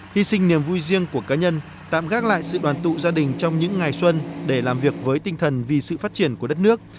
hy sinh niềm vui riêng của cá nhân tạm gác lại sự đoàn tụ gia đình trong những ngày xuân để làm việc với tinh thần vì sự phát triển của đất nước